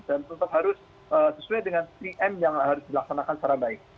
tetap harus sesuai dengan pm yang harus dilaksanakan secara baik